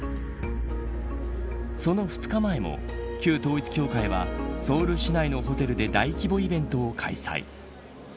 その２日前も旧統一教会はソウル市内のホテルで大規模イベントを開催。